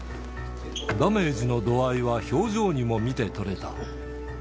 ダメージの度合いは表情にも見て取れた。